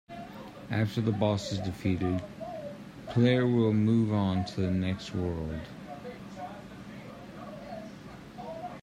After the boss is defeated, the player will move on to the next world.